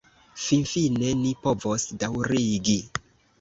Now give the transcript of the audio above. Finfine ni povos daŭrigi!